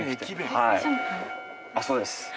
そうです。